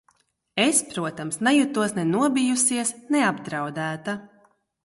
Es, protams, nejutos ne nobijusies, ne apdraudēta.